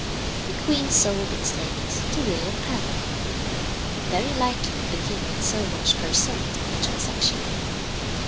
The queen sold these ladies to William Penn. Very likely the king had so much per cent. on the transaction.